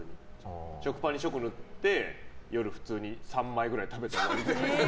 食パンにチョコ塗って夜、普通に３枚ぐらい食べる。